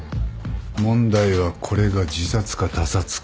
問題はこれが自殺か他殺か。